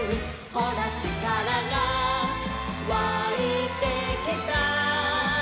「ほらちからがわいてきた」